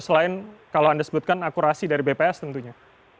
selain kalau anda sebutkan akurasi dari bps tentunya